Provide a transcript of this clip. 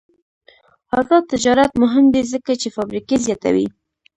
آزاد تجارت مهم دی ځکه چې فابریکې زیاتوي.